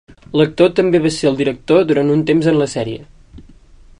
L'actor també va ser el director durant un temps en la sèrie.